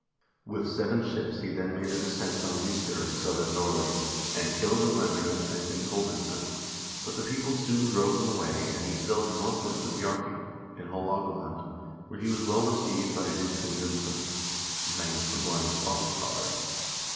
With seven ships he then made a descent on Lister in southern Nor way, and killed the lendermand Bcntein Kolbeinsson, but the people soon drove him away, and he sailed northward to Bjarkey, in Haaloga land, where he was well received by Vidkun Jonsson, Magnus the Blind's fosterfather.